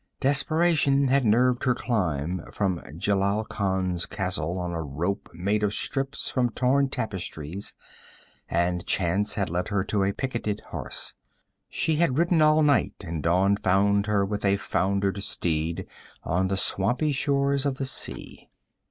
Desperation had nerved her climb from Jelal Khan's castle on a rope made of strips from torn tapestries, and chance had led her to a picketed horse. She had ridden all night, and dawn found her with a foundered steed on the swampy shores of the sea.